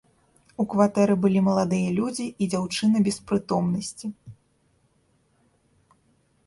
У кватэры былі маладыя людзі і дзяўчына без прытомнасці.